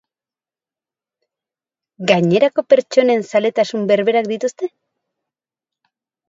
Gainerako pertsonen zaletasun berberak dituzte?